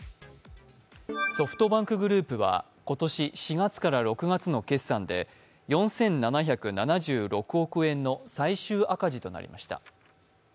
ソフトバンクグループは今年４月から６月の決算で４７７６億円の最終赤字となりました。